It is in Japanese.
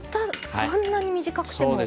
そんなに短くても。